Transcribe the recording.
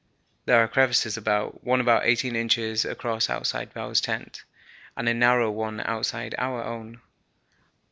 There are crevasses about, one about eighteen inches across outside Bowers' tent, and a narrower one outside our own.